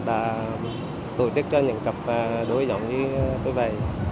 đã tổ chức cho những cặp đối giọng với tôi về